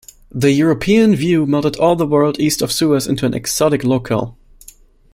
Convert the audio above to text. The European view melded all the world east of Suez into an exotic locale.